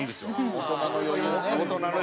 大人の余裕。